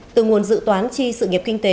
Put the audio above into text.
từ nguồn dự toán chi sự nghiệp kinh tế